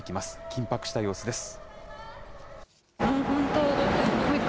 緊迫した様子です。